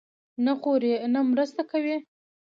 نه خوري، نه مرسته کوي.